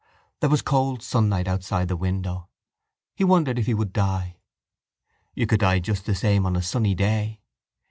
There was cold sunlight outside the window. He wondered if he would die. You could die just the same on a sunny day.